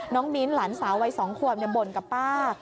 น้องมิ้นหลานสาววัยสองขวบบ่นกับป้า